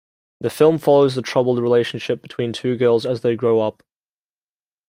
The film follows the troubled relationship between two girls as they grow up.